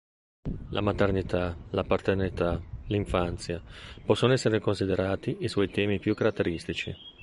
La maternità, la paternità, l'infanzia possono essere considerati i suoi temi più caratteristici.